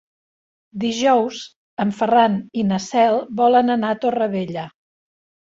Dijous en Ferran i na Cel volen anar a Torrevella.